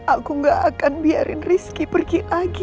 aku gak akan biarin rizky pergi lagi